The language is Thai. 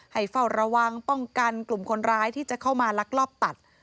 เฝ้าระวังป้องกันกลุ่มคนร้ายที่จะเข้ามาลักลอบตัด